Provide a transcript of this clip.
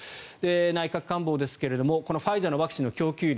内閣官房ですがファイザーのワクチンの供給量